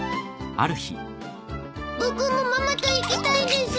僕もママと行きたいです。